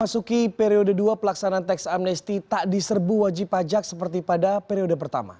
masuki periode dua pelaksanaan teks amnesti tak diserbu wajib pajak seperti pada periode pertama